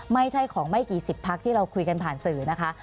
ไม่ใช่ของไม่กี่สิบพักที่เราคุยกันผ่านสื่อนะคะ